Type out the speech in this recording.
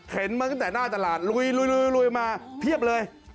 มาตั้งแต่หน้าตลาดลุยมาเพียบเลย